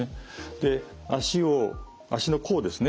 で足を足の甲ですね